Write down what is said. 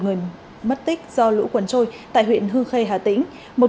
một người mất tích do lũ quần trôi tại huyện hương khây hà tĩnh